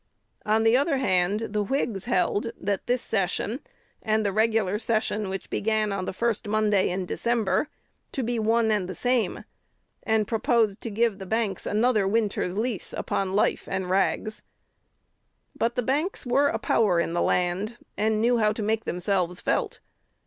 On the other hand, the Whigs held this session, and the regular session which began on the first Monday in December, to be one and the same, and proposed to give the banks another winter's lease upon life and rags. But the banks were a power in the land, and knew how to make themselves felt.